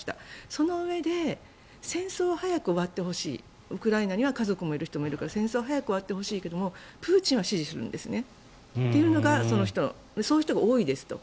そのうえで戦争が早く終わってしまうウクライナに家族がいる人も多いから戦争が早く終わってほしいけどプーチンは支持するんですねとそういう人が多いですと。